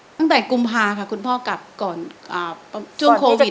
ตั้งแต่กุมภาค่ะคุณพ่อกลับก่อนช่วงโควิดอะค่ะ